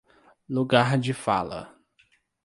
Lugar de fala